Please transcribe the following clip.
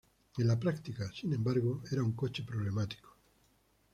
En la práctica, sin embargo, era un coche problemático.